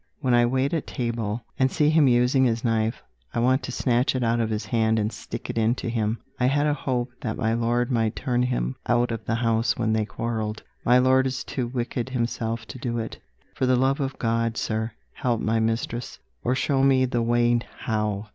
When I wait at table, and see him using his knife, I want to snatch it out of his hand, and stick it into him. I had a hope that my lord might turn him out of the house when they quarrelled. My lord is too wicked himself to do it. For the love of God, sir, help my mistress or show me the way how!"